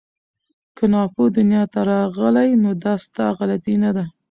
که ناپوه دنیا ته راغلې نو دا ستا غلطي نه ده